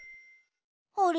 あれ？